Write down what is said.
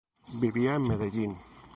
Vivía en Medellín.